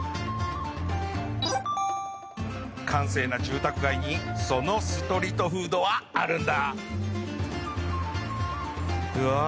閑静な住宅街にそのストリートフードはあるんだうわ